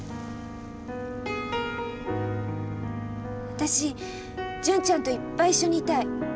私純ちゃんといっぱい一緒にいたい。